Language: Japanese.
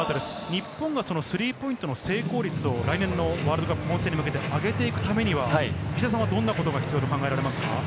日本がスリーポイントの成功率を来年のワールドカップ本戦に向けて上げていくためには、どんなことが必要と考えられますか？